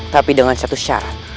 tapi dengan satu syarat